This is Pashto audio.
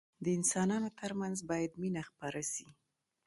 د انسانانو ترمنځ باید مينه خپره سي.